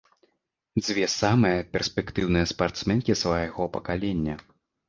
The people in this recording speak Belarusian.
Дзве самыя перспектыўныя спартсменкі свайго пакалення.